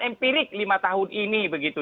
empirik lima tahun ini begitu